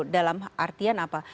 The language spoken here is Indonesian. dalam artian apa